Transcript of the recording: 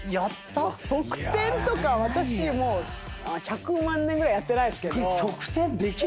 側転とか私もう１００万年ぐらいやってないっすけど。